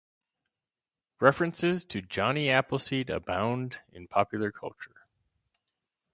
References to Johnny Appleseed abound in popular culture.